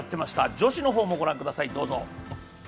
女子の方も御覧ください。